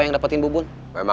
yang dapetin bubun